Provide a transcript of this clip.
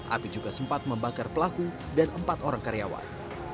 api juga sempat membakar pelaku dan empat orang karyawan